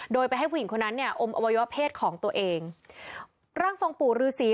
โดยไปให้ผู้หญิงคนนั้นเนี่ยอมอวัยวะเพศของตัวเองร่างทรงปู่ฤษี